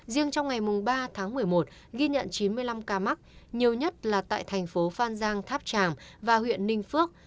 riêng trong ngày ba tháng một mươi một ghi nhận chín mươi năm ca mắc nhiều nhất là tại thành phố phan giang tháp tràm và huyện ninh phước